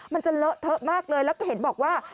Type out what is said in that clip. มันจะเลอะเทอะมากเลยแล้วก็เห็นบอกว่า